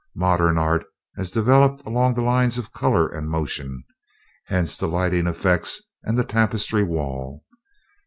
Modern art has developed along the lines of color and motion, hence the lighting effects and the tapestry wall.